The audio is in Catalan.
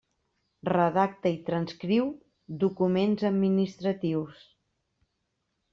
Redacta i transcriu documents administratius.